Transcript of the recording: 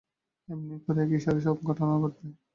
এমনি করেই এক ইশারায় সব ঘটনা ঘটবে।